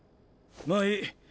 まあいい。